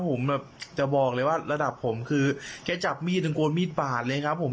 ผมแบบจะบอกเลยว่าระดับผมคือแกจับมีดตะโกนมีดปาดเลยครับผม